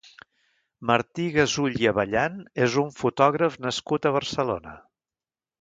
Martí Gasull i Avellán és un fotògraf nascut a Barcelona.